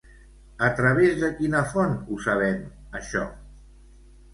A través de quina font ho sabem, això?